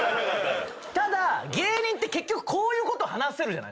ただ芸人って結局こういうことを話せるじゃない。